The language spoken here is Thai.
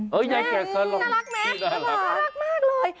น่ารักไหมน่ารักมากเลย